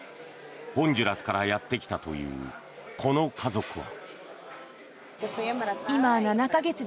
ホンジュラスからやってきたというこの家族は。